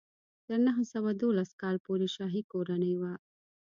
تر نهه سوه دولس کال پورې شاهي کورنۍ وه.